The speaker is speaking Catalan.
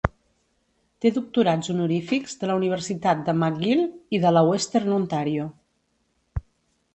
Té doctorats honorífics de la Universitat de McGill i de la Western Ontario.